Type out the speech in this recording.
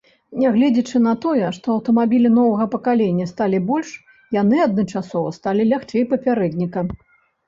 Нягледзячы на тое, што аўтамабілі новага пакалення сталі больш, яны адначасова сталі лягчэй папярэдніка.